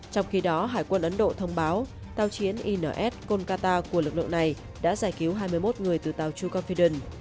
trong khi đó hải quân ấn độ thông báo tàu chiến ins kolkata của lực lượng này đã giải cứu hai mươi một người từ tàu chukomfiden